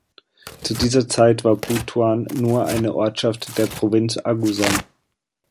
Zu dieser Zeit war Butuan nur eine Ortschaft der Provinz Agusan.